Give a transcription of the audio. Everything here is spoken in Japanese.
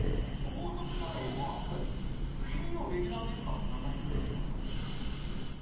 法則がある方は金曜レギュラーメンバーの名前の一部が入ってる？